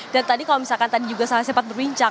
dan tadi kalau misalkan tadi juga sangat sempat berbincang